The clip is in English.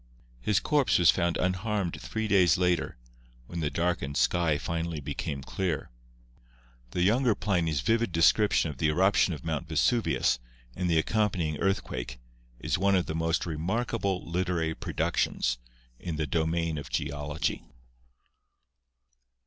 His corpse was found unharmed three days later, when the darkened sky finally became clear. The younger Pliny's vivid description of the eruption of Mount Vesuvius and the accompanying earthquake is one of the most remarkable literary pro ductions in the domain of Geology.